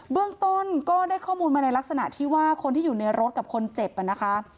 เบื้องต้นก็ได้ข้อมูลมาในลักษณะที่ว่าคนที่อยู่ในรถกับคนเจ็บนะคะ